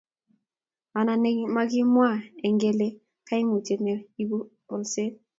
anonon ne makimwa eng' kele kaimutiet ne ibu bolset